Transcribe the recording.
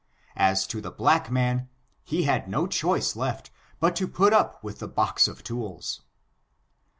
As to the black man, he had no choice left but to put up with the box of tools.